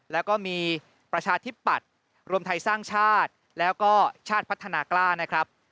แล้วก็มีประชาธิปัตย์รวมไทยสร้างชาติแล้วก็ชาติพัฒนากล้านะครับ